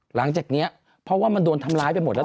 หลังจากนี้เพราะว่ามันโดนทำร้ายไปหมดแล้ว